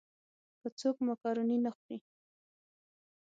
که څوک مېکاروني نه خوري.